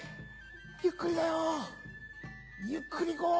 ゆっくりだよゆっくり行こう。